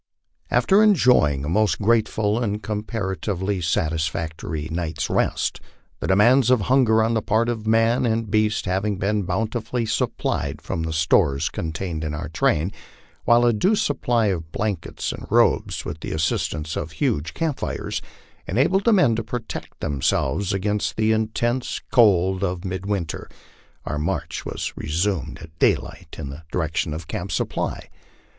After enjoying a most grateful and comparatively satisfactory night's rest, the demands of hunger on the part of man and beast having been bountifully supplied from the stores contained in our train, while a due supply of blankets and robes, with the assistance of huge camp fires, enabled the men to protect themselves against the intense cold of midwinter, our march was resumed at daylight in the direction of Camp Supply.